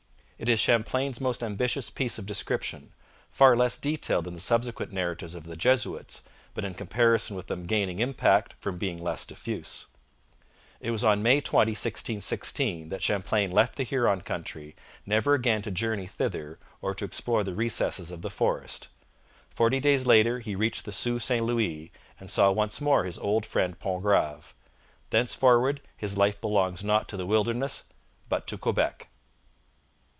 It is Champlain's most ambitious piece of description, far less detailed than the subsequent narratives of the Jesuits, but in comparison with them gaining impact from being less diffuse. It was on May 20, 1616, that Champlain left the Huron country, never again to journey thither or to explore the recesses of the forest. Forty days later he reached the Sault St Louis, and saw once more his old friend Pontgrave. Thenceforward his life belongs not to the wilderness, but to Quebec.